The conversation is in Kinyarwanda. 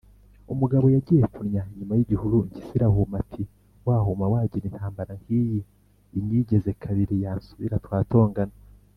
Umugabo yagiye kunnya inyuma y’igihuru impyisi irahuma, ati: wahuma wagira, intambara nk’iyi inyigeze kabiri yansubira twatongana.